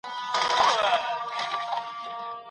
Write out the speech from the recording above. ایا واک بايد داسي چا سره وي چي زغم ولري؟